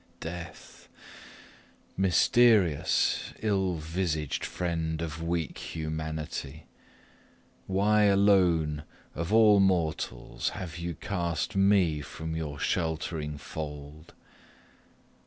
Death! mysterious, ill visaged friend of weak humanity! Why alone of all mortals have you cast me from your sheltering fold?